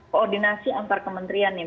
koordinasi antar kementeriannya